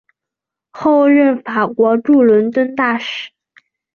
后任法国驻伦敦大使。